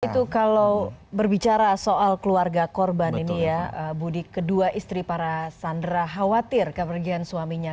itu kalau berbicara soal keluarga korban ini ya budi kedua istri para sandera khawatir kepergian suaminya